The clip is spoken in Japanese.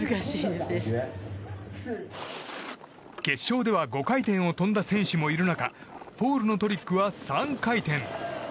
決勝では５回転を跳んだ選手もいる中ホールのトリックは３回転。